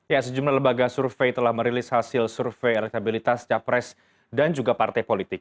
ya sejumlah lembaga survei telah merilis hasil survei elektabilitas capres dan juga partai politik